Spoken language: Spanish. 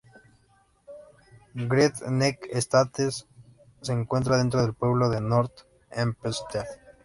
Great Neck Estates se encuentra dentro del pueblo de North Hempstead.